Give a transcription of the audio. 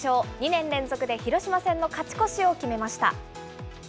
２年連続で広島戦の勝ち越しを決めました。